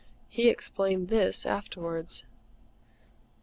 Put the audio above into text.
He explained this afterwards.